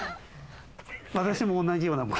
私も同じようなもの。